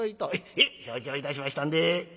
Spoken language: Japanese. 「へえ承知をいたしましたんで」。